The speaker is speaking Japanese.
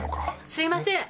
すみません！